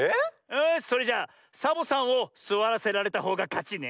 よしそれじゃサボさんをすわらせられたほうがかちね。